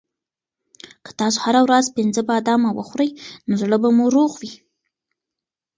که تاسو هره ورځ پنځه بادام وخورئ نو زړه به مو روغ وي.